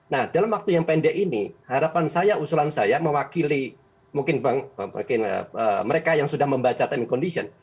nah dalam waktu yang pendek ini harapan saya usulan saya mewakili mungkin mereka yang sudah membaca time condition